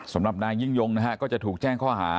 สำหรับนายยิ่งยงนะฮะก็จะถูกแจ้งข้อหา